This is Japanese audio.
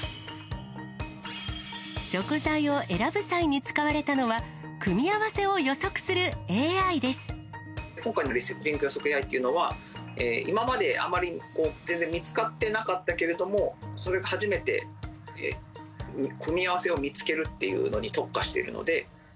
食材を選ぶ際に使われたのは、今回のリンク予測ＡＩというのは、今まであまり全然見つかってなかったけれども、初めて組み合わせを見つけるっていうのに特化しているので。